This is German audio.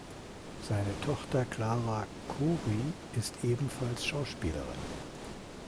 Seine Tochter Clara Khoury ist ebenfalls Schauspielerin.